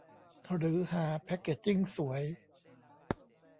หรือหาแพ็กเกจจิ้งสวย